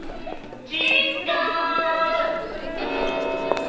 ちっがう！